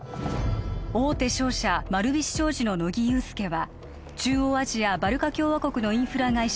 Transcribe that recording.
大手商社丸菱商事の乃木憂助は中央アジアバルカ共和国のインフラ会社